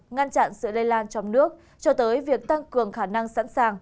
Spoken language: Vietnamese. ngăn chặn sự lây lan trong nước cho tới việc tăng cường khả năng sẵn sàng